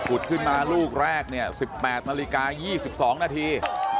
ขึ้นมาลูกแรกเนี่ย๑๘นาฬิกา๒๒นาที